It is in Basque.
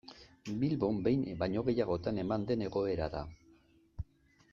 Bilbon behin baino gehiagotan eman den egoera da.